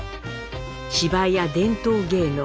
芝居や伝統芸能